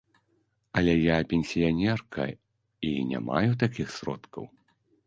Але я пенсіянерка і не маю такіх сродкаў.